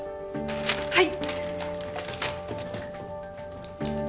はい！